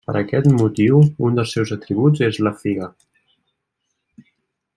Per aquest motiu, un dels seus atributs és la figa.